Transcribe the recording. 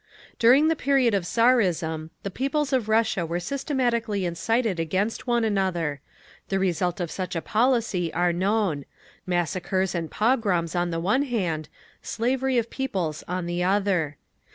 During the period of Tsarism the peoples of Russia were systematically incited against one another. The result of such a policy are known: massacres and pogroms on the one hand, slavery of peoples on the other.